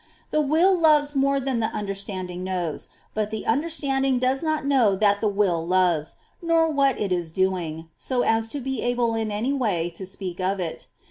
The will loves more than the understanding knows ; but the understanding does not know that the will loves, nor what it is doing, so as to be able in any way to speak of it.